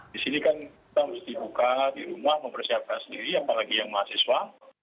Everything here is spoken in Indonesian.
di sini kan kita mesti buka di rumah mempersiapkan sendiri apalagi yang mahasiswa